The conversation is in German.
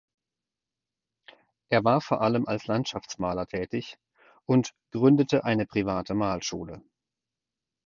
Er war vor allem als Landschaftsmaler tätig und gründete eine private Malschule.